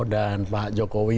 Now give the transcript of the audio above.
dan pak jokowi